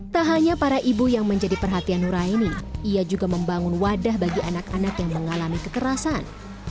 tak hanya para ibu yang menjadi perhatian nuraini ia juga membangun wadah bagi anak anak yang mengalami kekerasan